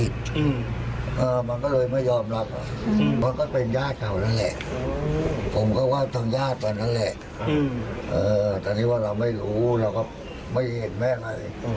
เดือนเต็มฮะ